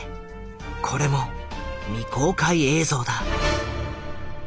これも未公開映像だ。